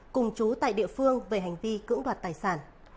cùng chú tại địa phương về hành vi cưỡng đoạt tài sản